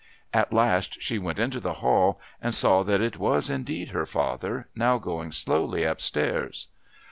At last she went into the hall and saw that it was indeed her father now going slowly upstairs.